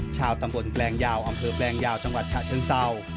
ชาวตำบลแปลงยาวอำเภอแปลงยาวจังหวัดฉะเชิงเศร้า